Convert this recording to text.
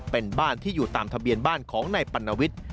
เป็นบ้านที่อยู่ตามทะเบียนบ้านของนายปัณวิทย์